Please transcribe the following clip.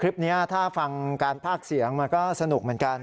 คลิปนี้ถ้าฟังการภาคเสียงมันก็สนุกเหมือนกัน